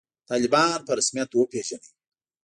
طالبان په رسمیت وپېژنئ